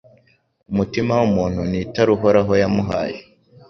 Umutima w’umuntu ni itara Uhoraho yamuhaye